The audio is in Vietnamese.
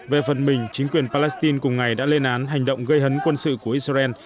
về phần mình chính quyền palestine cùng ngày đã lên án hành động gây hấn quân sự của israel